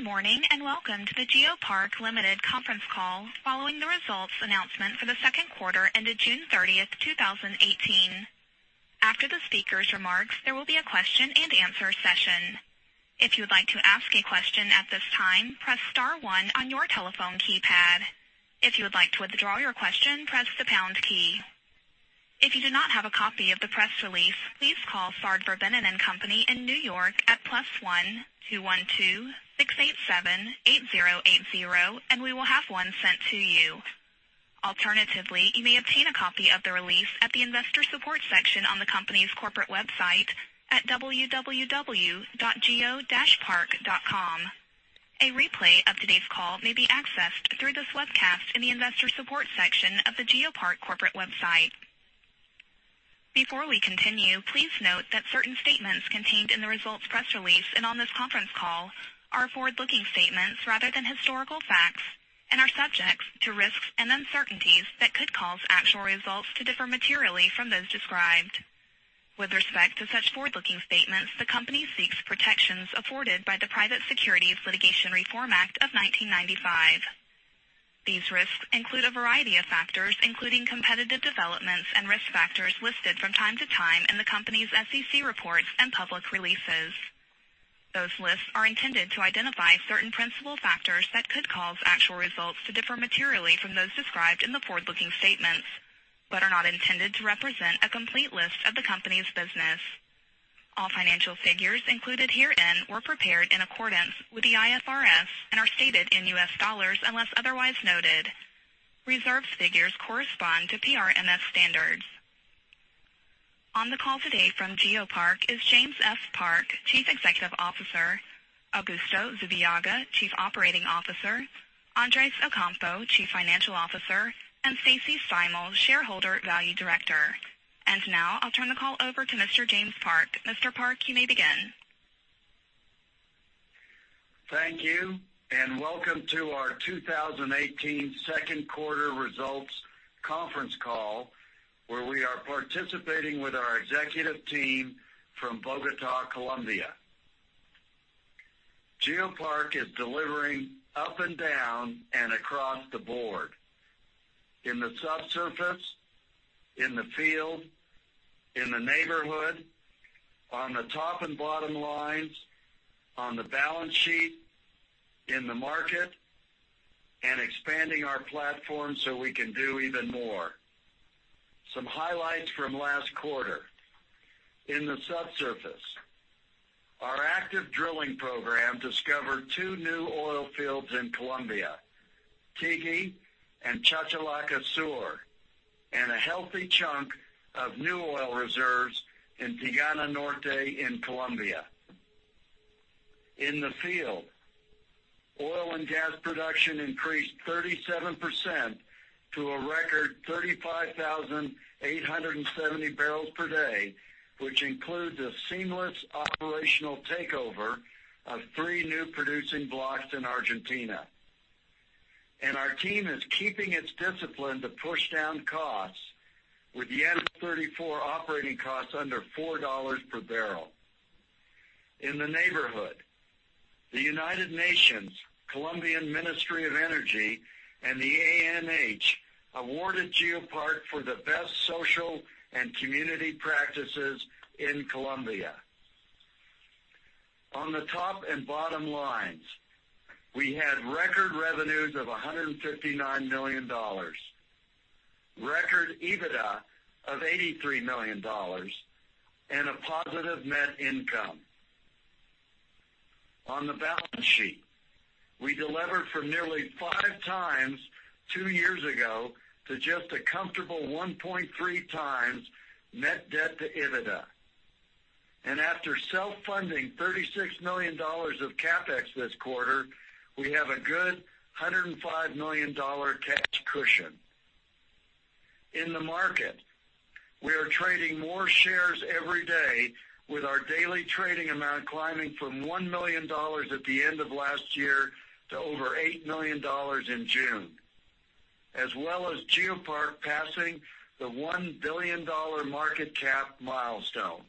Good morning, and welcome to the GeoPark Limited conference call, following the results announcement for the second quarter ended June 30th, 2018. After the speakers' remarks, there will be a question and answer session. If you would like to ask a question at this time, press star one on your telephone keypad. If you would like to withdraw your question, press the pound key. If you do not have a copy of the press release, please call Sard Verbinnen & Co. in New York at +1-212-687-8080, and we will have one sent to you. Alternatively, you may obtain a copy of the release at the investor support section on the company's corporate website at www.geopark.com. A replay of today's call may be accessed through this webcast in the investor support section of the GeoPark corporate website. Before we continue, please note that certain statements contained in the results press release and on this conference call are forward-looking statements rather than historical facts and are subject to risks and uncertainties that could cause actual results to differ materially from those described. With respect to such forward-looking statements, the company seeks protections afforded by the Private Securities Litigation Reform Act of 1995. These risks include a variety of factors, including competitive developments and risk factors listed from time to time in the company's SEC reports and public releases. Those lists are intended to identify certain principal factors that could cause actual results to differ materially from those described in the forward-looking statements but are not intended to represent a complete list of the company's business. All financial figures included herein were prepared in accordance with the IFRS and are stated in U.S. dollars, unless otherwise noted. Reserves figures correspond to PRMS standards. On the call today from GeoPark is James F. Park, Chief Executive Officer, Augusto Zubillaga, Chief Operating Officer, Andres Ocampo, Chief Financial Officer, and Stacy Steimel, Shareholder Value Director. Now I'll turn the call over to Mr. James Park. Mr. Park, you may begin. Thank you, and welcome to our 2018 second quarter results conference call, where we are participating with our executive team from Bogotá, Colombia. GeoPark is delivering up and down and across the board. In the subsurface, in the field, in the neighborhood, on the top and bottom lines, on the balance sheet, in the market, and expanding our platform so we can do even more. Some highlights from last quarter. In the subsurface, our active drilling program discovered two new oil fields in Colombia, Kiki and Chachalaca Sur, and a healthy chunk of new oil reserves in Tigana Norte in Colombia. In the field, oil and gas production increased 37% to a record 35,870 barrels per day, which includes a seamless operational takeover of three new producing blocks in Argentina. Our team is keeping its discipline to push down costs, with the N34 operating costs under $4 per barrel. In the neighborhood, the United Nations, Ministry of Mines and Energy, and the ANH awarded GeoPark for the best social and community practices in Colombia. On the top and bottom lines, we had record revenues of $159 million, record EBITDA of $83 million, and a positive net income. On the balance sheet, we delivered from nearly 5x two years ago to just a comfortable 1.3x net debt to EBITDA. After self-funding $36 million of CapEx this quarter, we have a good $105 million cash cushion. In the market, we are trading more shares every day with our daily trading amount climbing from $1 million at the end of last year to over $8 million in June, as well as GeoPark passing the $1 billion market cap milestone.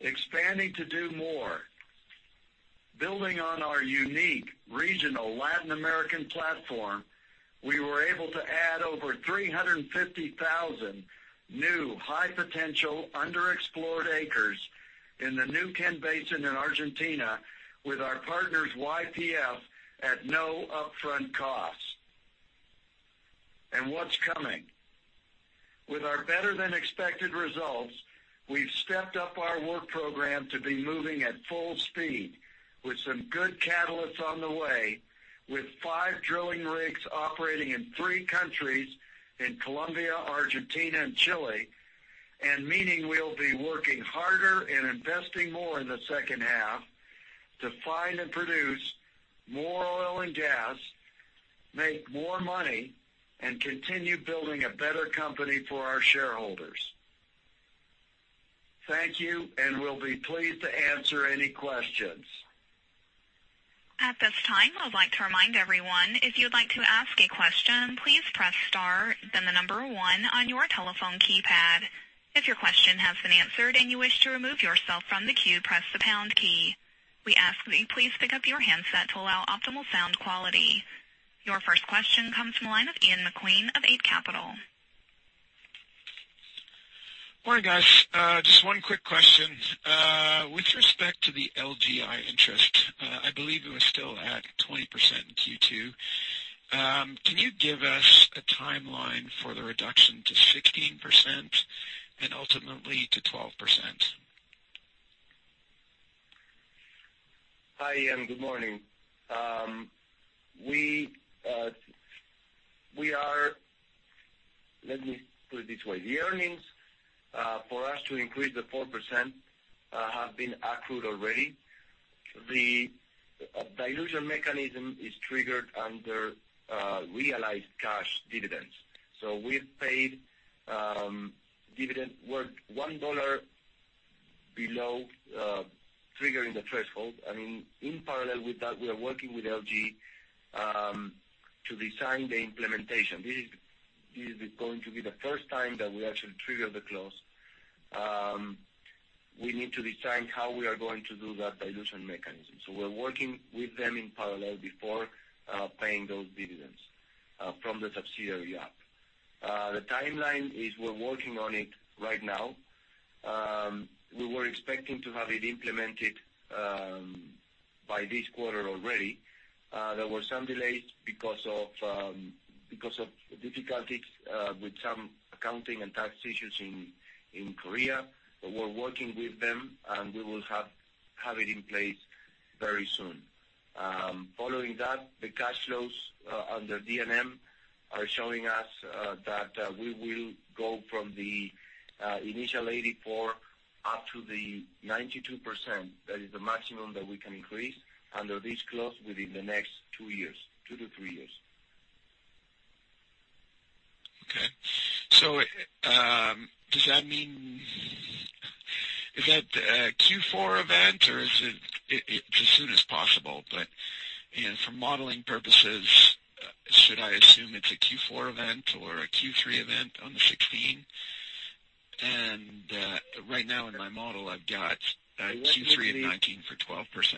Expanding to do more. Building on our unique regional Latin American platform, we were able to add over 350,000 new high-potential underexplored acres in the Neuquén Basin in Argentina with our partners YPF at no upfront costs. What's coming? With our better-than-expected results, we've stepped up our work program to be moving at full speed with some good catalysts on the way, with five drilling rigs operating in three countries, in Colombia, Argentina, and Chile, and meaning we'll be working harder and investing more in the second half to find and produce more oil and gas, make more money, and continue building a better company for our shareholders. Thank you, and we'll be pleased to answer any questions. Time, I would like to remind everyone, if you'd like to ask a question, please press star then the number 1 on your telephone keypad. If your question has been answered and you wish to remove yourself from the queue, press the pound key. We ask that you please pick up your handset to allow optimal sound quality. Your first question comes from the line of Ian Macqueen of Eight Capital. Morning, guys. Just one quick question. With respect to the LGI interest, I believe it was still at 20% in Q2. Can you give us a timeline for the reduction to 16% and ultimately to 12%? Hi, Ian. Good morning. Let me put it this way. The earnings for us to increase the 4% have been accrued already. The dilution mechanism is triggered under realized cash dividends. We've paid dividends worth $1 below triggering the threshold. In parallel with that, we are working with LGI to design the implementation. This is going to be the first time that we actually trigger the clause. We need to design how we are going to do that dilution mechanism. We're working with them in parallel before paying those dividends from the subsidiary up. The timeline is we're working on it right now. We were expecting to have it implemented by this quarter already. There were some delays because of difficulties with some accounting and tax issues in Korea. We're working with them, and we will have it in place very soon. Following that, the cash flows under DNM are showing us that we will go from the initial 84 up to the 92%. That is the maximum that we can increase under this clause within the next two to three years. Okay. Does that mean is that a Q4 event, or is it as soon as possible? For modeling purposes, should I assume it's a Q4 event or a Q3 event on the 16? Right now, in my model, I've got Q3 of 19 for 12%.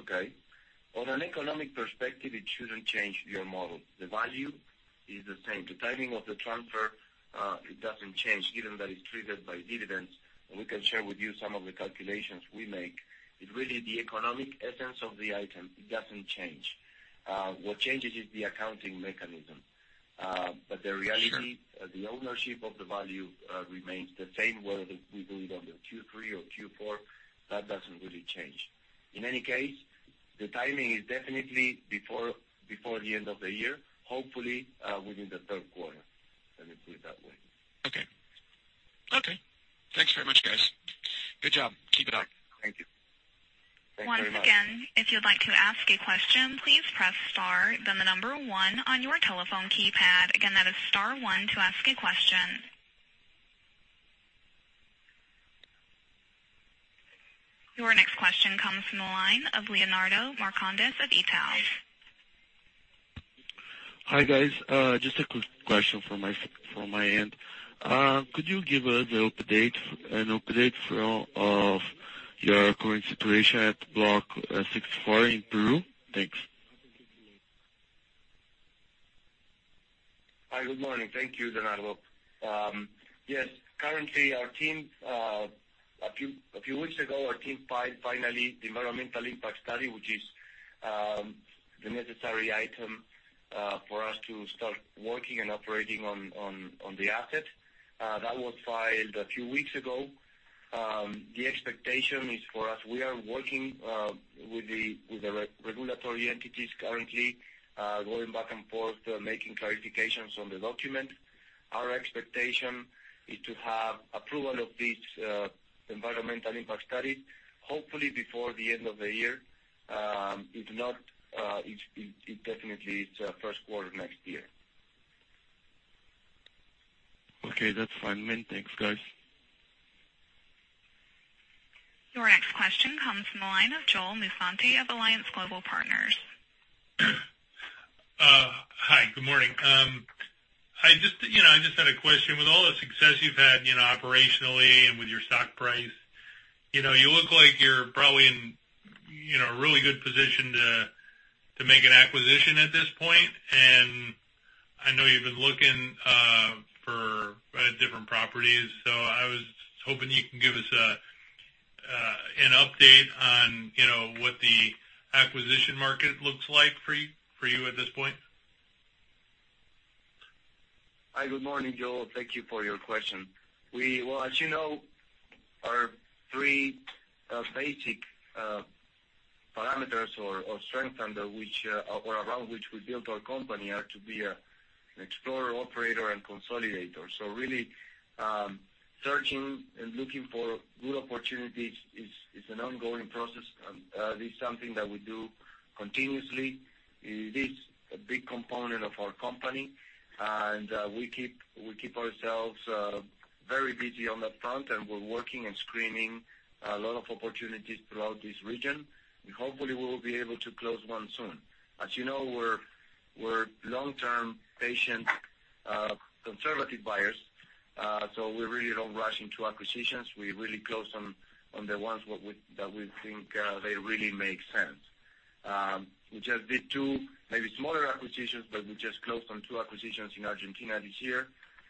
Okay. On an economic perspective, it shouldn't change your model. The value is the same. The timing of the transfer, it doesn't change given that it's triggered by dividends. We can share with you some of the calculations we make. It's really the economic essence of the item. It doesn't change. What changes is the accounting mechanism. The reality. Sure The ownership of the value remains the same whether we do it under Q3 or Q4. That doesn't really change. In any case, the timing is definitely before the end of the year, hopefully within the third quarter. Let me put it that way. Okay. Thanks very much, guys. Good job. Keep it up. Thank you. Thanks very much. Once again, if you'd like to ask a question, please press star then the number 1 on your telephone keypad. Again, that is star one to ask a question. Your next question comes from the line of Leonardo Marcondes of Itaú. Hi, guys. Just a quick question from my end. Could you give us an update of your current situation at Block 64 in Peru? Thanks. Hi. Good morning. Thank you, Leonardo. Yes. A few weeks ago, our team filed finally the environmental impact study, which is the necessary item for us to start working and operating on the asset. That was filed a few weeks ago. The expectation is for us, we are working with the regulatory entities currently, going back and forth, making clarifications on the document. Our expectation is to have approval of this environmental impact study hopefully before the end of the year. If not, it definitely is first quarter next year. Okay. That's fine. Many thanks, guys. Your next question comes from the line of Joel Musante of Alliance Global Partners. Hi. Good morning. I just had a question. With all the success you've had operationally and with your stock price, you look like you're probably in a really good position to make an acquisition at this point. I know you've been looking for different properties. I was hoping you can give us an update on what the acquisition market looks like for you at this point. Hi. Good morning, Joel. Thank you for your question. As you know, our three basic parameters or strength under which or around which we built our company are to be an explorer, operator, and consolidator. Really, searching and looking for good opportunities is an ongoing process, and it's something that we do continuously. It is a big component of our company, and we keep ourselves very busy on that front, and we're working and screening a lot of opportunities throughout this region. We hopefully will be able to close one soon. As you know, we're long-term, patient, conservative buyers. We really don't rush into acquisitions. We really close on the ones that we think really make sense. We just did two maybe smaller acquisitions, but we just closed on two acquisitions in Argentina this year.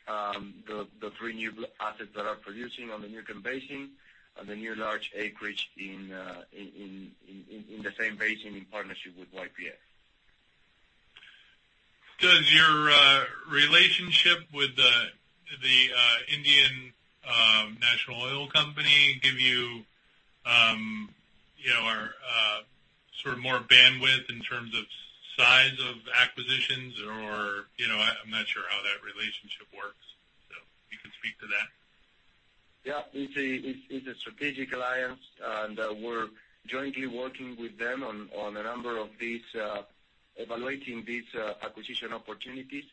The three new assets that are producing on the Neuquén Basin and the new large acreage in the same basin in partnership with YPF. Does your relationship with the Indian National Oil company give you sort of more bandwidth in terms of size of acquisitions or, I'm not sure how that relationship works. If you can speak to that? Yeah. It's a strategic alliance, and we're jointly working with them on a number of these, evaluating these acquisition opportunities.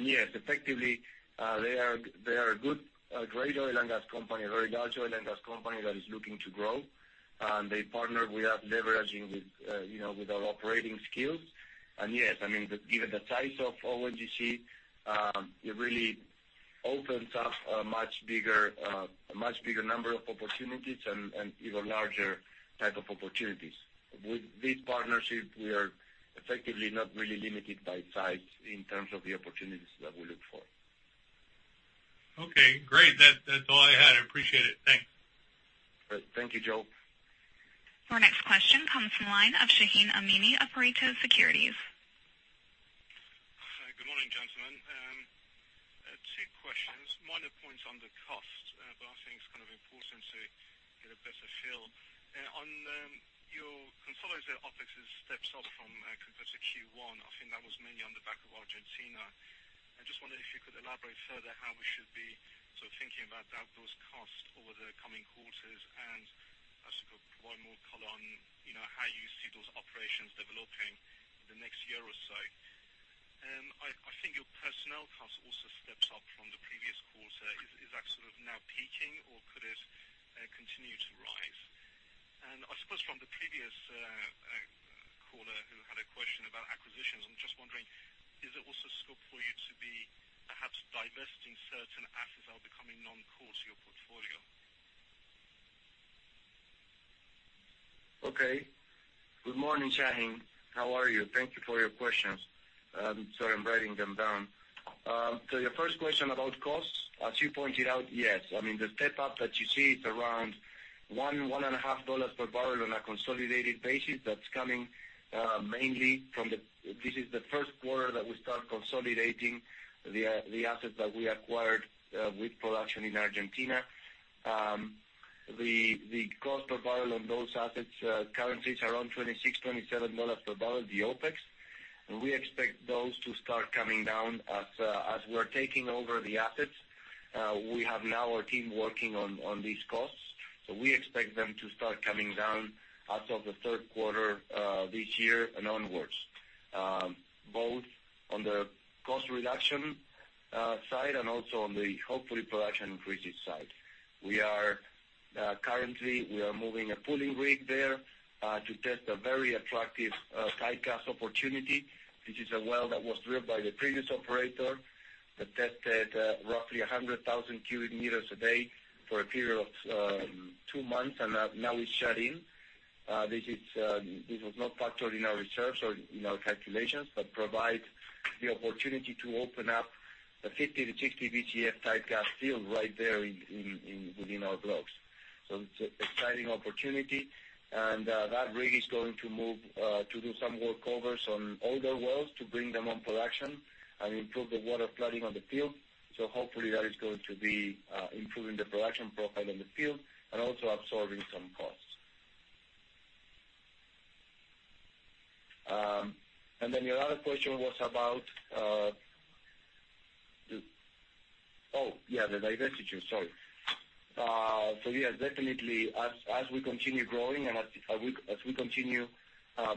Yes, effectively, they are a great oil and gas company, a very large oil and gas company that is looking to grow, and they partner with us leveraging with our operating skills. Yes, given the size of ONGC, it really opens up a much bigger number of opportunities and even larger type of opportunities. With this partnership, we are effectively not really limited by size in terms of the opportunities that we look for. Okay, great. That's all I had. I appreciate it. Thanks. Great. Thank you, Joe. Our next question comes from the line of Shahin Amini of Pareto Securities. Hi. Good morning, gentlemen. Two questions. Minor points on the cost, I think it's kind of important to get a better feel. On your consolidated OpEx steps up compared to Q1. I think that was mainly on the back of Argentina. I just wondered if you could elaborate further how we should be sort of thinking about that, those costs over the coming quarters, and I suppose provide more color on how you see those operations developing in the next year or so. I think your personnel costs also steps up from the previous quarter. Is that sort of now peaking, or could it continue to rise? I suppose from the previous caller who had a question about acquisitions, I'm just wondering, is there also scope for you to be perhaps divesting certain assets that are becoming non-core to your portfolio? Okay. Good morning, Shahin. How are you? Thank you for your questions. Sorry, I'm writing them down. To your first question about costs, as you pointed out, yes. The step up that you see, it's around $1, $1.50 per barrel on a consolidated basis. That's coming mainly from this is the first quarter that we start consolidating the assets that we acquired with production in Argentina. The cost per barrel on those assets currently is around $26, $27 per barrel, the OpEx. We expect those to start coming down as we're taking over the assets. We have now our team working on these costs. We expect them to start coming down as of the third quarter this year and onwards. Both on the cost reduction side and also on the hopefully production increases side. Currently, we are moving a pulling rig there to test a very attractive tight gas opportunity, which is a well that was drilled by the previous operator that tested roughly 100,000 cubic meters a day for a period of two months, and now is shut in. This was not factored in our reserves or in our calculations but provides the opportunity to open up a 50 to 60 Bcf tight gas field right there within our blocks. It's an exciting opportunity, and that rig is going to move to do some workovers on older wells to bring them on production and improve the water flooding on the field. Hopefully that is going to be improving the production profile in the field and also absorbing some costs. Your other question was about the divestitures. Sorry. Yes, definitely as we continue growing and as we continue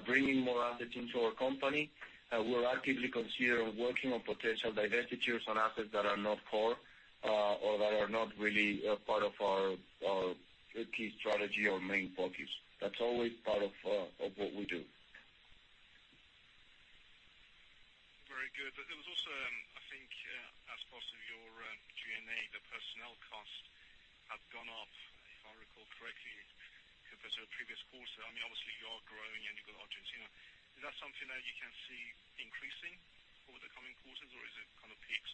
bringing more assets into our company, we'll actively consider working on potential divestitures on assets that are not core or that are not really a part of our key strategy or main focus. That's always part of what we do. Very good. There was also, I think, as part of your G&A, the personnel costs have gone up, if I recall correctly, compared to the previous quarter. Obviously, you are growing and you've got Argentina. Is that something that you can see increasing over the coming quarters, or is it kind of peaked?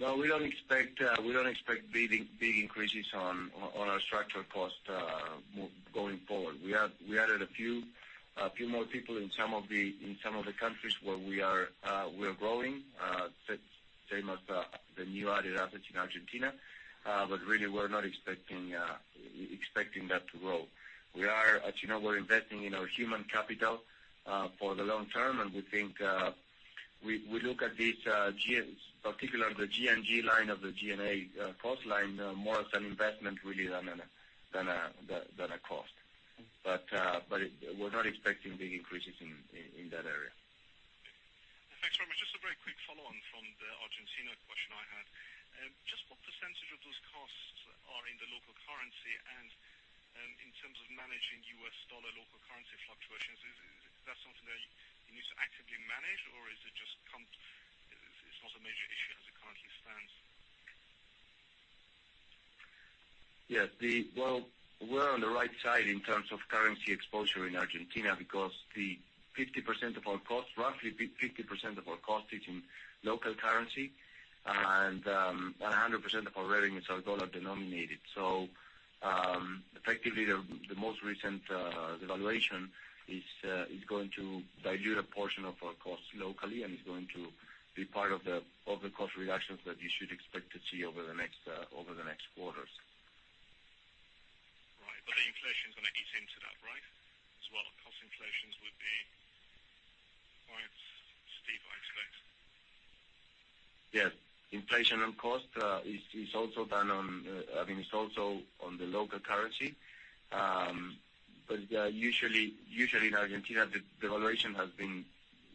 No, we don't expect big increases on our structural cost going forward. We added a few more people in some of the countries where we are growing. Same as the new added assets in Argentina. Really, we're not expecting that to grow. As you know, we're investing in our human capital for the long term, and we look at this, particularly the G&G line of the G&A cost line, more as an investment, really, than a cost. We're not expecting big increases in that area. Thanks very much. Just a very quick follow-on from the Argentina question I had. Just what % of those costs are in the local currency, and in terms of managing U.S. dollar local currency fluctuations, is that something that you need to actively manage, or it's not a major issue as it currently stands? Yes. We're on the right side in terms of currency exposure in Argentina because roughly 50% of our cost is in local currency, and 100% of our revenue is dollar-denominated. Effectively, the most recent devaluation is going to dilute a portion of our costs locally and is going to be part of the cost reductions that you should expect to see over the next quarters. Right. The inflation's going to eat into that, right? As well, cost inflations would be quite steep, I expect. Yes. Inflation on cost is also done on the local currency. Usually in Argentina, devaluation has been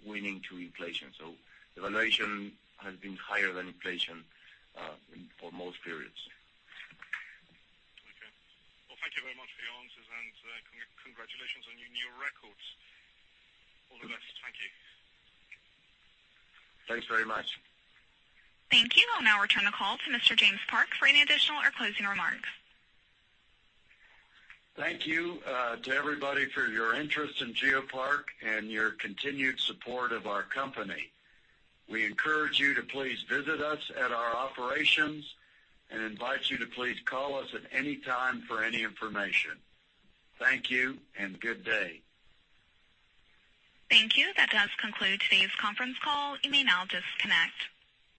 winning to inflation. Devaluation has been higher than inflation for most periods. Okay. Thank you very much for your answers, and congratulations on your new records. All the best. Thank you. Thanks very much. Thank you. I'll now return the call to Mr. James Park for any additional or closing remarks. Thank you to everybody for your interest in GeoPark and your continued support of our company. We encourage you to please visit us at our operations and invite you to please call us at any time for any information. Thank you and good day. Thank you. That does conclude today's conference call. You may now disconnect.